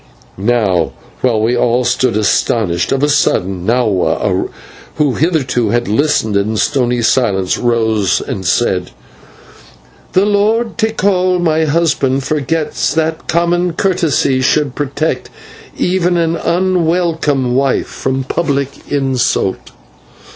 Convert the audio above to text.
Now, while all stood astonished, of a sudden Nahua, who hitherto had listened in stony silence, rose and said: "The Lord Tikal, my husband, forgets that common courtesy should protect even an unwelcome wife from public insult."